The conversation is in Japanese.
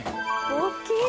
大きいな。